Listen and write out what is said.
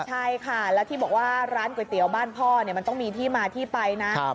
ใช่ค่ะแล้วที่บอกว่าร้านก๋วยเตี๋ยวบ้านพ่อมันต้องมีที่มาที่ไปนะ